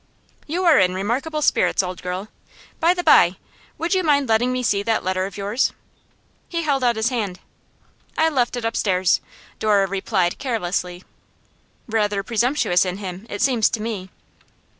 'You are in remarkable spirits, old girl. By the by, would you mind letting me see that letter of yours?' He held out his hand. 'I left it upstairs,' Dora replied carelessly. 'Rather presumptuous in him, it seems to me.